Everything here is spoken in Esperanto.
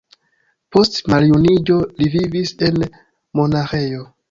Post maljuniĝo li vivis en monaĥejo.